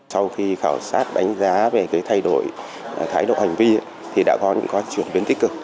sau khi khảo sát đánh giá về cái thay đổi thái độ hành vi thì đã có những chuyển biến tích cực